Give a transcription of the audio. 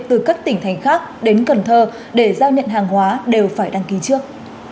từ các tỉnh thành khác đến cần thơ để giao nhận hàng hóa đều phải đăng ký trước